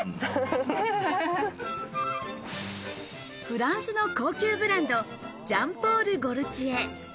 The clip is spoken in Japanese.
フランスの高級ブランド、ジャンポール・ゴルチエ。